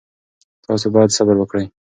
تاسو باید صبر وکړئ.